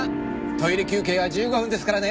トイレ休憩は１５分ですからね。